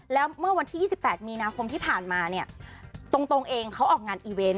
แล้วเมื่อวันที่๒๘มีนาคมที่ผ่านมาเนี่ยตรงเองเขาออกงานอีเวนต์